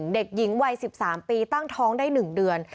เด็กหญิงวัย๑๓ปีตั้งท้องได้๑เดือน